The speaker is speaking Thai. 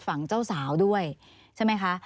ฝั่งเจ้าสาวด้วยใช่ไหมคะ